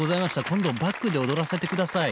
今度バックで踊らせてください。